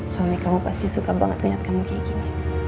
suami kamu pasti suka banget liat kamu kaya gini